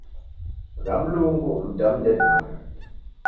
Gha Mlungu mdamu ndedimagha